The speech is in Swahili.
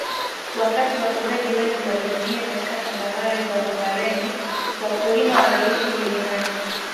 Wakati wafugaji wengi walihamia katika tambarare za Upareni wakulima waliishi milimani